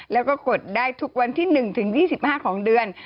แล้วก็กดได้ทุกวันที่๑ถึง๒๕ของเดือน